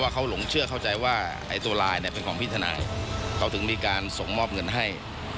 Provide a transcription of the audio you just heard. เขาถึงมีการส่งมอบเงินให้